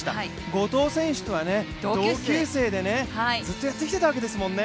後藤選手とは同級生で、ずっとやってきていたわけですもんね。